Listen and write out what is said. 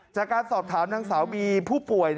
จากการสอบถามนางสาวบีผู้ป่วย